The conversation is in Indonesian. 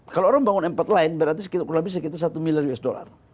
kalau orang membangun m empat line berarti sekitar satu miliar usd